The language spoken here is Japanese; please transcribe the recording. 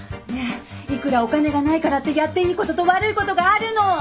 ねえいくらお金がないからってやっていいことと悪いことがあるの！